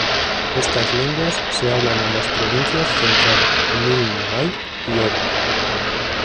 Estas lenguas se hablan en las provincias Central, Milne Bay y Oro.